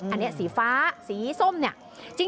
อันนี้สีฟ้าสีส้มเนี่ย